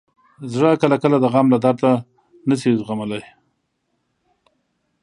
زړه کله کله د غم له درده نه شي زغملی.